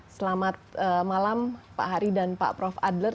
selamat malam pak hari dan pak prof adler